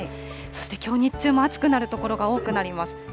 そしてきょう日中も暑くなる所が多くなります。